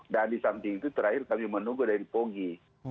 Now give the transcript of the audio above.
dan di saat itu terakhir kami menunggu dari pogi